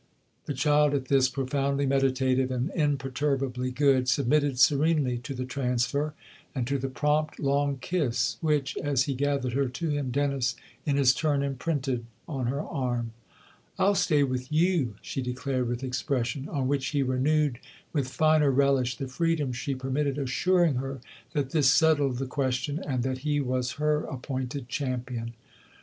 " The child, at this, profoundly meditative and imperturbably " good," submitted serenely to the transfer and to the prompt, long kiss which, as he gathered her to him, Dennis, in his turn, imprinted on her arm. "I'll stay with you !" she declared with expression ; on which he renewed, with finer relish, the freedom she per mitted, assuring her that this settled the question and that he was her appointed champion.